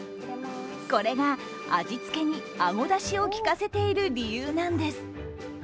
これが、味付けにあごだしを利かせている理由なんです。